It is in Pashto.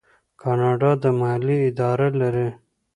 کاناډا د مالیې اداره لري.